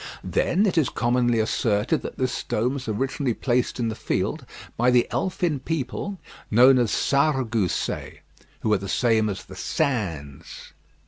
Then it is commonly asserted that this stone was originally placed in the field by the elfin people known as Sarregousets, who are the same as the Sins.